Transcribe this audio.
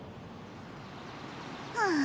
はあ。